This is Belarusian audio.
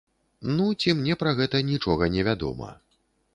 Ну, ці мне пра гэта нічога не вядома.